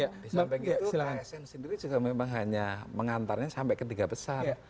ya disamping itu kasn sendiri juga memang hanya mengantarnya sampai ke tiga besar